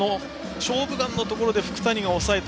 「勝負眼」のところで福谷が抑えた。